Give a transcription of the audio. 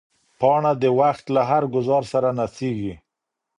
پاڼه د وخت له هر ګوزار سره نڅېږي.